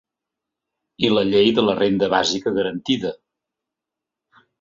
I la llei de la renda bàsica garantida.